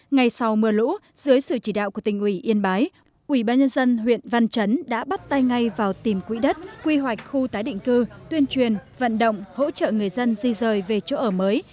ngày sau mưa lũ dưới sự chỉ đạo của tỉnh ủy yên bái ủy ban nhân dân huyện văn chấn đã bắt tay ngay vào tìm quỹ đất quy hoạch khu tái định cư tuyên truyền vận động hỗ trợ người dân di rời về chỗ ở mới